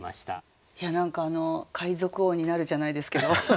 何かあの「海賊王になる」じゃないですけど。